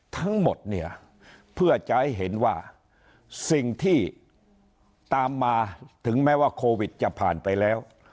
ทั้งหมดเนี่ยเพื่อจะให้เห็นว่าสิ่งที่ตามมาถึงแม้ว่าโควิดจะผ่านไปแล้ว